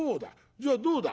じゃあどうだ？